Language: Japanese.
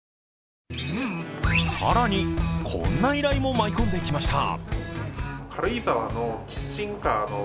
更に、こんな依頼も舞い込んできました。